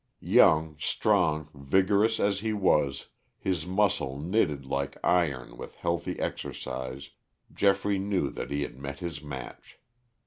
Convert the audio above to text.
Young, strong, vigorous as he was, his muscle knitted like iron with healthy exercise, Geoffrey knew that he had met his match.